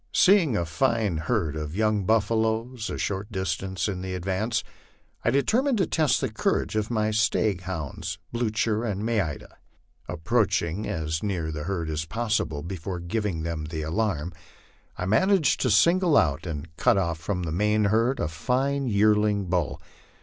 Seeing a fine herd of young buffaloes a short distance in the advance, I determined to test the cour age of my stag hounds '* Blucher " and ' Maida." Approaching as near the herd as possible before giving them the alarm, I managed to single out and cut off from the main herd a fine yearling bull.